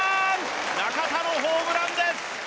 中田のホームランです！